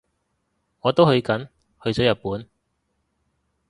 我都去緊，去咗日本